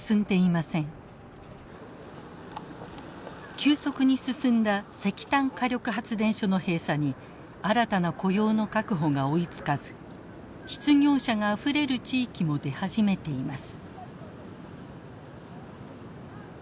急速に進んだ石炭火力発電所の閉鎖に新たな雇用の確保が追いつかず失業者があふれる地域も出始めています。